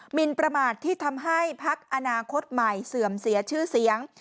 มินประมาทที่ทำให้พักอนาคตใหม่เสื่อมเสียชื่อเสียง